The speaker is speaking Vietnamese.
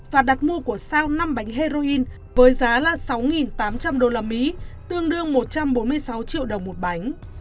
phạt đặt mua của sao năm bánh heroin với giá là sáu tám trăm linh usd tương đương một trăm bốn mươi sáu triệu đồng một bánh